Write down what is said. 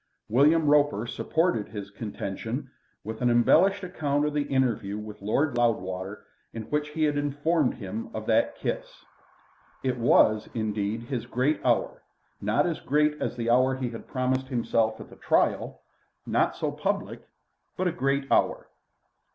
William Roper supported his contention with an embellished account of the interview with Lord Loudwater in which he had informed him of that kiss. It was, indeed, his great hour, not as great as the hour he had promised himself at the trial, not so public, but a great hour.